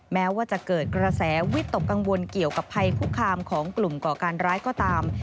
แม้ว่าจะเกิดกระแสวิตกกังวลเกี่ยวกับภัยคุกคามของกลุ่มก่อการร้ายก็ตาม